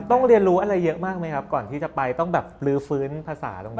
เรียนรู้อะไรเยอะมากไหมครับก่อนที่จะไปต้องแบบลื้อฟื้นภาษาตรงนี้